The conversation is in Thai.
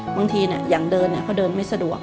บางทีอย่างเดินเขาเดินไม่สะดวก